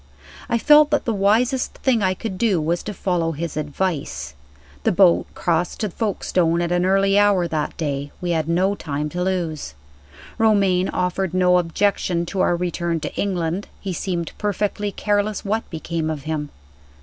I felt that the wisest thing I could do was to follow his advice. The boat crossed to Folkestone at an early hour that day we had no time to lose. Romayne offered no objection to our return to England; he seemed perfectly careless what became of him.